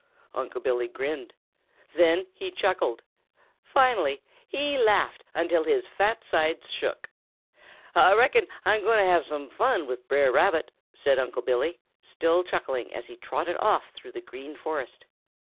Unc' Billy grinned. Then he chuckled. Finally he laughed until his fat sides shook. "Ah reckon Ah'm gwine to have some fun with Brer Rabbit," said Unc' Billy, still chuckling, as he trotted off through the Green Forest.